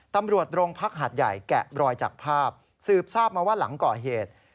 ตำรวจโรงพักหาดใหญ่แกะรอยจากภาพสืบทราบมาว่าหลังก่อเหตุ